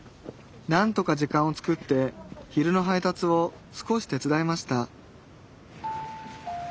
何とか時間を作って昼の配達を少し手伝いました